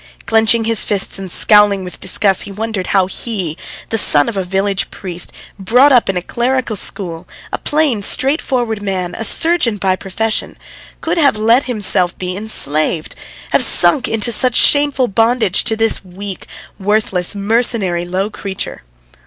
Clenching his fists and scowling with disgust, he wondered how he, the son of a village priest, brought up in a clerical school, a plain, straightforward man, a surgeon by profession how could he have let himself be enslaved, have sunk into such shameful bondage to this weak, worthless, mercenary, low creature.